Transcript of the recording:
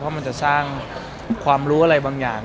เพราะมันจะสร้างความรู้อะไรบางอย่าง